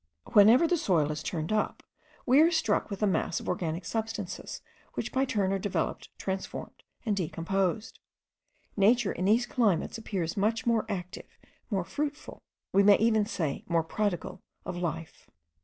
Whenever the soil is turned up, we are struck with the mass of organic substances, which by turns are developed, transformed, and decomposed. Nature in these climates appears more active, more fruitful, we may even say more prodigal, of life.